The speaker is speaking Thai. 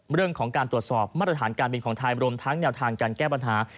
เรื่องของการตรวจสอบมาตรฐานการบินของไทยรวมทั้งแนวทางการแก้ปัญหา